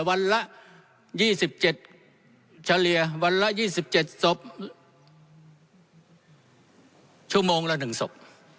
วันละ๒๗เฉลี่ยวันละ๒๗ศพชั่วโมงละ๑ศพ